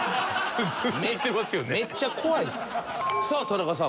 さあ田中さん